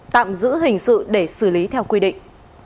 tạm giữ hình sự để xử lý theo quy định